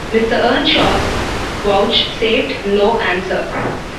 Mr. Earnshaw vouchsafed no answer.